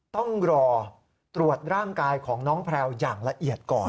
ต้องรอตรวจร่างกายของน้องแพลวอย่างละเอียดก่อน